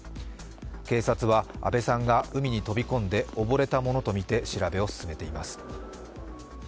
警察は阿部さんが海に飛び込んで溺れたものとみて調べを進めています。